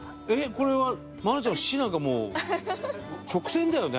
これは愛菜ちゃんの「し」なんかもう直線だよね。